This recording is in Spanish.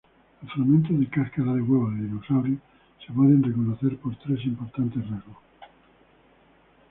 Los fragmentos de cáscara de huevo de dinosaurio pueden reconocerse por tres importantes rasgos.